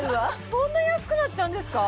そんな安くなっちゃうんですか？